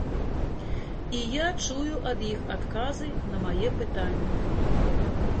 І я чую ад іх адказы на мае пытанні.